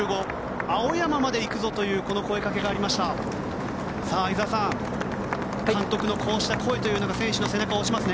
青山まで行くぞという声かけがあります。